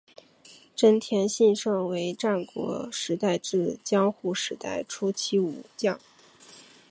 真田信胜为战国时代至江户时代初期武将。